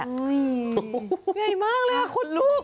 ใหญ่มากเลยคุณลูก